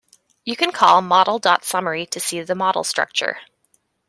You can call model dot summary to see the model structure.